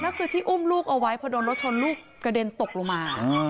แล้วคือที่อุ้มลูกเอาไว้พอโดนรถชนลูกกระเด็นตกลงมา